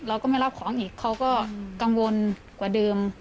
เราก็ไม่รับของอีกเขาก็กังวลกว่าเดิม